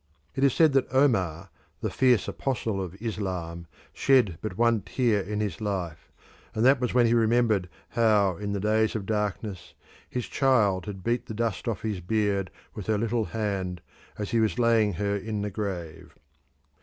It is said that Omar, the fierce apostle of Islam, shed but one tear in his life, and that was when he remembered how in the days of darkness his child had beat the dust off his beard with her little hand as he was laying her in the grave.